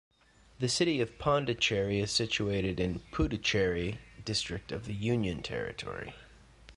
The city of Pondicherry is situated in Puducherry district of the union territory.